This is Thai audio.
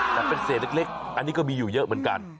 แต่เป็นเศษเล็กอันนี้ก็มีอยู่เยอะเหมือนกัน